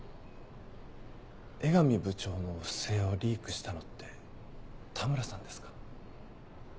江上部長の不正をリークしたのって田村さんですか？